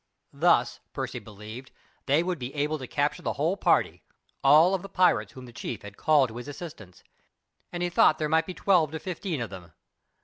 Thus, Percy believed, they would be able to capture the whole party all of the pirates whom the chief had called to his assistance and he thought there might be twelve to fifteen of them.